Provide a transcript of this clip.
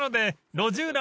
路地裏。